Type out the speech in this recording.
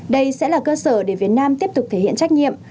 đây sẽ là cơ sở để việt nam tiếp tục thể hiện trách nhiệm